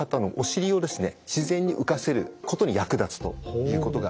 自然に浮かせることに役立つということがあります。